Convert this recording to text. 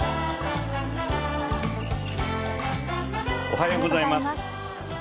おはようございます。